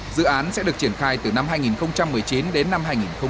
dự án sẽ được triển khai từ năm hai nghìn một mươi chín đến năm hai nghìn hai mươi